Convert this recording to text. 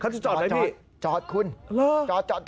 เขาจะจอดไหมพี่เจอดคุณจอด